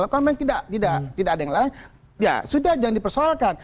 ya boleh saya lanjutkan sebentar ya